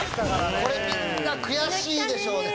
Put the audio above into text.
これみんな悔しいでしょうね。